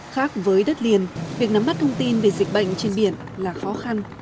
khác với đất liền việc nắm bắt thông tin về dịch bệnh trên biển là khó khăn